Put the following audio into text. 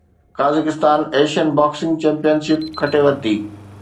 Kazakhstan Asian boxing championship کٽي ورتي